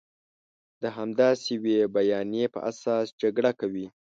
د همداسې یوې بیانیې په اساس جګړه کوي.